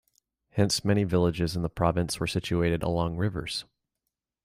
Hence many villages in the province were situated along rivers.